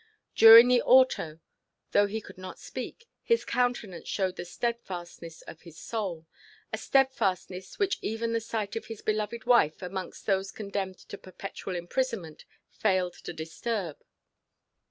During the Auto, though he could not speak, his countenance showed the steadfastness of his soul a steadfastness which even the sight of his beloved wife amongst those condemned to perpetual imprisonment failed to disturb.